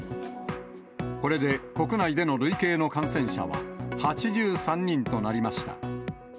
これで、国内での累計の感染者は、８３人となりました。